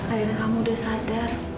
akhirnya kamu udah sadar